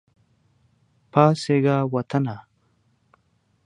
پاڅیږه وطنه !